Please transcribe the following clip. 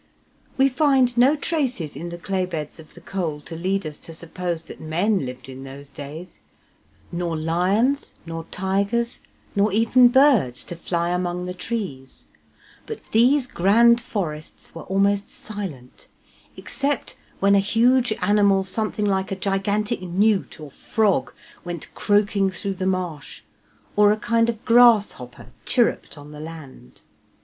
We find no traces in the clay beds of the coal to lead us to suppose that men lived in those days, nor lions, nor tigers, nor even birds to fly among the trees; but these grand forests were almost silent, except when a huge animal something like a gigantic newt or frog went croaking through the marsh, or a kind of grasshopper chirruped on the land.